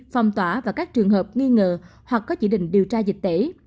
phong tỏa và các trường hợp nghi ngờ hoặc có chỉ định điều tra dịch tễ